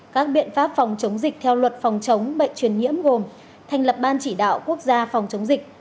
các biện pháp phòng chống dịch theo luật phòng chống bệnh truyền nhiễm gồm thành lập ban chỉ đạo quốc gia phòng chống dịch